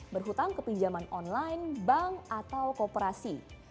berhutang ke pinjaman online bank atau kooperasi